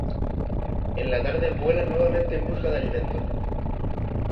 En la tarde vuelan nuevamente en busca de alimento.